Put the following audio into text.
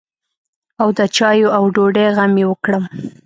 او د چايو او ډوډۍ غم يې وکړم.